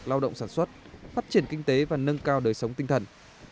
lao động sản xuất phát triển kinh tế và nâng cao đời sống tinh thần